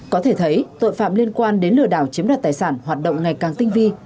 có thể thấy tội phạm liên quan đến lừa đảo chiếm đoạt tài sản hoạt động ngày càng tinh vi